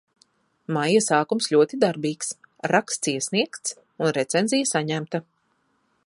Maija sākums ļoti darbīgs. Raksts iesniegts un recenzija saņemta.